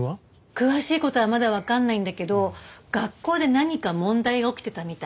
詳しい事はまだわかんないんだけど学校で何か問題が起きてたみたい。